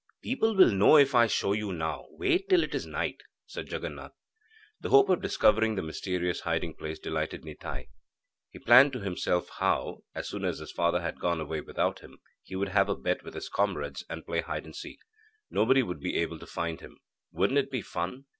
'People will know, if I show you now. Wait till it is night,' said Jaganath. The hope of discovering the mysterious hiding place delighted Nitai. He planned to himself how, as soon as his father had gone away without him, he would have a bet with his comrades, and play hide and seek. Nobody would be able to find him. Wouldn't it be fun?